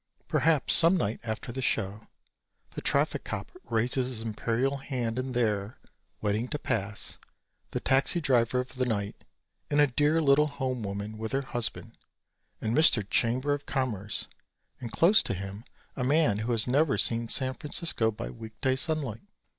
Perhaps some night after the show, the traffic cop raises his imperial hand and there, waiting to pass, the taxi driver of the night and a dear little home woman with her husband, and Mr. Chamber of Commerce and close to him a man who has never seen San Francisco by week day sunlight.